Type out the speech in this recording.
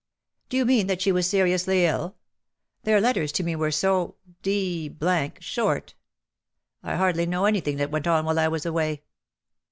'^" Do you mean that she was seriously ill ? Their letters to me were so d d short. I hardly know anything that went on while I was away.'